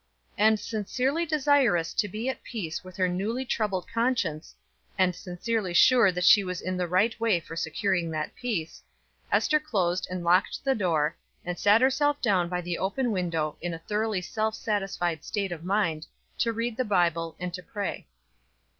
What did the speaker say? And sincerely desirous to be at peace with her newly troubled conscience and sincerely sure that she was in the right way for securing that peace Ester closed and locked her door, and sat herself down by the open window in a thoroughly self satisfied state of mind, to read the Bible and to pray.